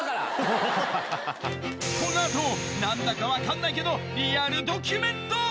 このあと、なんだか分かんないけど、リアルドキュメント。